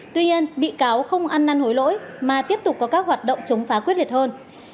tuy nhiên bị cáo không ăn năn hối lỗi mà tiếp tục có các hoạt động chống phá quyết liệt hơn